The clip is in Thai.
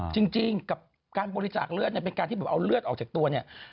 จริงกับการบริจาคเลือดเป็นการที่เอาเลือดออกจากตัว